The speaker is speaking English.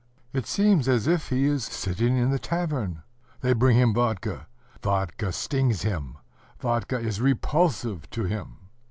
It seems as if he is sitting in the tavern: they bring him vodka; vodka stings him; vodka is repulsive to him.